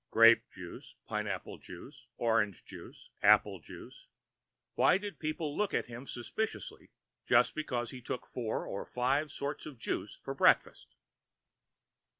Grape juice, pineapple juice, orange juice, apple juice ... why did people look at him suspiciously just because he took four or five sorts of juice for breakfast?